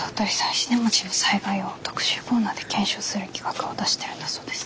石音町の災害を特集コーナーで検証する企画を出してるんだそうです。